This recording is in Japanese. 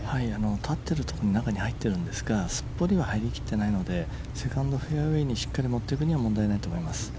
立っているところの中に入っているんですがすっぽりとは入り切っていないのでセカンドフェアウェーにしっかり持っていくには問題ないと思います。